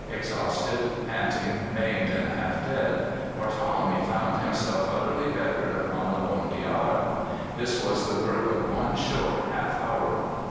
Exhausted, panting, maimed, and half dead, Barthelemy found himself utterly beggared upon a lonely isle. This was the work of one short half hour.